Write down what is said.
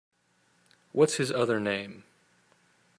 What’s his other name?